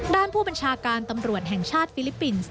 ด้านผู้บัญชาการตำรวจแห่งชาติฟิลิปปินส์